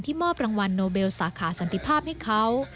มอบรางวัลโนเบลสาขาสันติภาพให้เขา